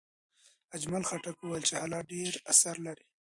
اجمل خټک وویل چې حالات ډېر اثر لري.